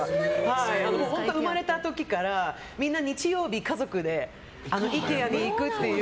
本当生まれた時からみんな、日曜日ＩＫＥＡに行くっていう。